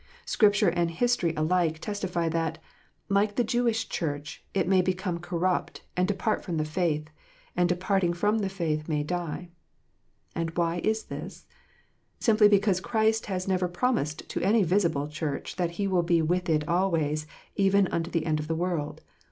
Scripture and history alike testify that, like the Jewish Church, it may become corrupt, and depart from the faith, and departing from the faith, may die. And why is this 3 Simply because Christ has never promised to any visible Church that He will be with it always, even unto the end of the world.